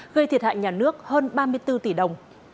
gây thiệt hại nhà nước hơn ba mươi bốn tỷ đồng